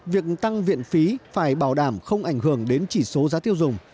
việc tăng viện phí phải bảo đảm không ảnh hưởng đến chỉ số giá tiêu dùng